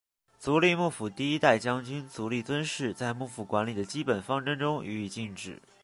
足利幕府第一代将军足利尊氏在幕府管理的基本方针中予以禁止。